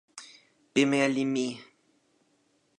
pimeja li mi.